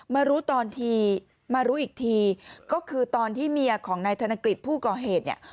มารู้ตอนที่มารู้อีกทีก็คือตอนที่เมียของนายธนกฤษผู้ก่อเหตุเนี่ย